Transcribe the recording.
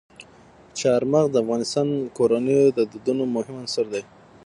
چار مغز د افغان کورنیو د دودونو مهم عنصر دی.